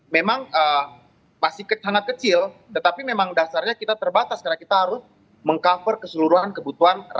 memang masih sangat kecil tetapi memang dasarnya kita terbatas karena kita harus meng cover keseluruhan kebutuhan